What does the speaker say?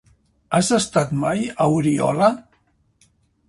Has estat mai a Oriola?